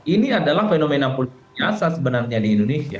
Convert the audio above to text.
ini adalah fenomena politik yang asas sebenarnya di indonesia